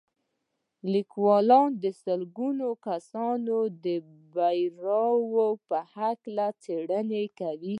ليکوال د سلګونه کسانو د برياوو په هکله څېړنې کړې.